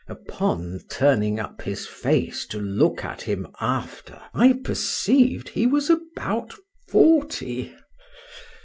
Upon turning up his face to look at him after, I perceived he was about forty.